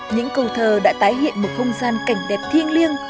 những câu thơ đã tái hiện một không gian cảnh đẹp thiêng liêng